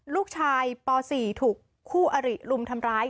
ลูกชายป๔ถูกคู่อริลุมทำร้าย